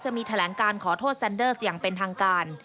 มีการแถลงการขอโทษแซนเดอร์สอย่างเป็นทางการ